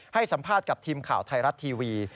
ให้สัมภาษณ์กับทีมข่าวไทยรัฐทีวี